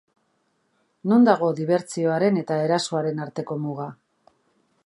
Non dago dibertsioaren eta erasoaren arteko muga?